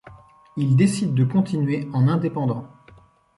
Ils décident de continuer en indépendant.